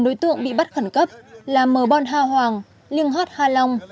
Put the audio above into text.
bốn đối tượng bị bắt khẩn cấp là mờ bon ha hoàng liêng hót ha long